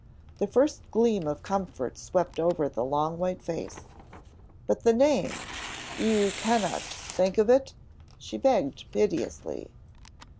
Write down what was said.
The first gleam of comfort swept over the long, white face. "But the name, you cannot think of it?" she begged piteously.